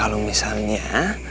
dan kalau misalnya